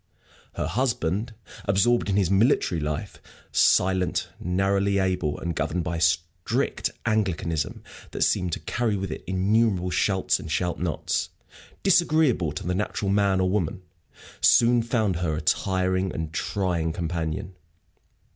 Her husband, absorbed in his military life, silent, narrowly able, and governed by a strict Anglicanism that seemed to carry with it innumerable "shalts" and "shalt nots," disagreeable to the natural man or woman, soon found her a tiring and trying companion.